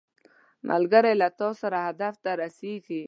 ملګری له تا سره هدف ته رسیږي